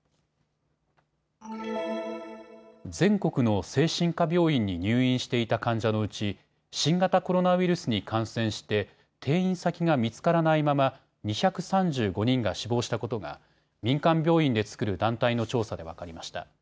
全国の精神科病院に入院していた患者のうち新型コロナウイルスに感染して転院先が見つからないまま２３５人が死亡したことが民間病院で作る団体の調査で分かりました。